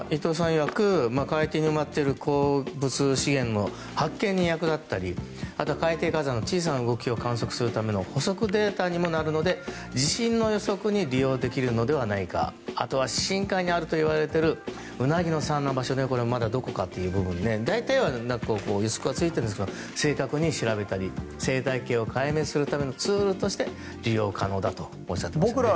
いわく海底に埋まっている鉱物資源の発見に役立ったり、海底火山の小さな動きを見るための補足データにもなるので地震の予測に利用できるのではないかあとは深海にあるといわれているウナギの産卵場所がどこかという部分、大体の予測はついているんですけど正確に調べたり、生態系を解明するためのツールとして利用可能だとおっしゃっていました。